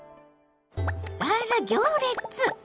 あら行列！